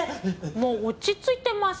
もう落ち着いてます。